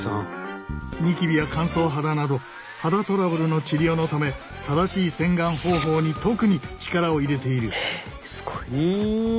ニキビや乾燥肌など肌トラブルの治療のため正しい洗顔方法に特に力を入れている。